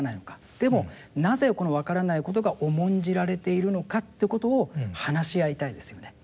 でもなぜこのわからないことが重んじられているのかっていうことを話し合いたいですよね。